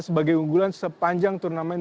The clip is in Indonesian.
sebagai unggulan sepanjang turnamen